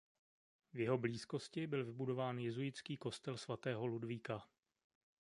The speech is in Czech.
V jeho blízkosti byl vybudován jezuitský kostel svatého Ludvíka.